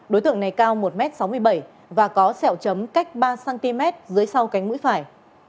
đối tượng này cao một sáu mươi bảy m và có xẹo chấm cách ba cm dưới sau cánh mũi phải